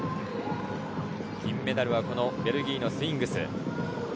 金メダルはベルギーのスウィングス。